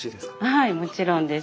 はいもちろんです。